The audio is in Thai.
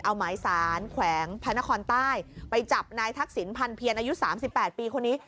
เอาไม้สานแขวงพระนครใต้ไปจับนายทักษิณภัณฑ์เพียรอายุสามสิบแปดปีคนนี้